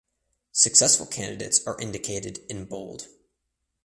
Successful candidates are indicated in bold.